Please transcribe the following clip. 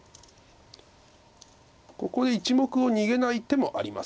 ここで１目を逃げない手もあります。